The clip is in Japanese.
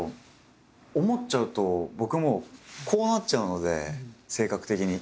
思っちゃうと僕もうこうなっちゃうので性格的に。